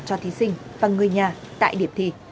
cho thí sinh và người nhà tại điểm thi